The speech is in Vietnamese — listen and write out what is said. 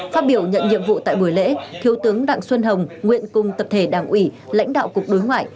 phát biểu nhận nhiệm vụ tại buổi lễ thiếu tướng đặng xuân hồng nguyện cùng tập thể đảng ủy lãnh đạo cục đối ngoại